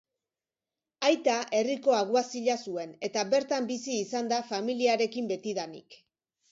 Aita herriko aguazila zuen, eta bertan bizi izan da familiarekin betidanik.